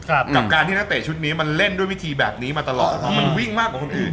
กับการที่นักเตะชุดนี้มันเล่นด้วยวิธีแบบนี้มาตลอดนะครับมันวิ่งมากกว่าคนอื่น